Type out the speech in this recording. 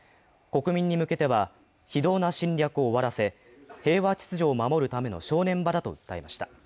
国民に向けては非道な侵略を終わらせ、平和秩序を守るための正念場だと訴えました。